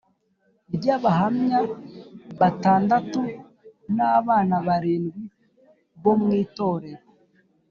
Ry abahamya batandatu n abana barindwi bo mu itorero